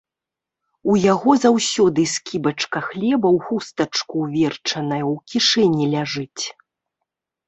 У яго заўсёды скібачка хлеба ў хустачку ўверчаная ў кішэні ляжыць.